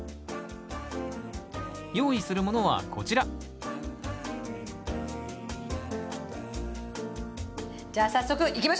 用意するものはこちらじゃあ早速いきましょう！